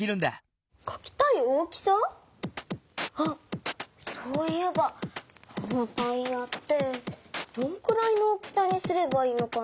あっそういえばこのタイヤってどんくらいの大きさにすればいいのかな？